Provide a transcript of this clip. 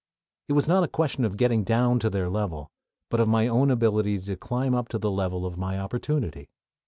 It was not a question of "getting down to their level," but of my own ability to climb up to the level of my opportunity.